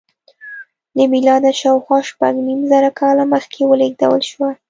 له میلاده شاوخوا شپږ نیم زره کاله مخکې ولېږدول شوه.